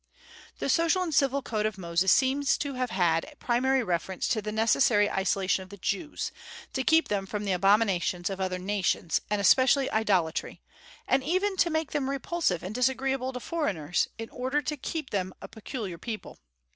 The social and civil code of Moses seems to have had primary reference to the necessary isolation of the Jews, to keep them from the abominations of other nations, and especially idolatry, and even to make them repulsive and disagreeable to foreigners, in order to keep them a peculiar people.